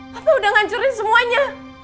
papa udah ngancurin semuanya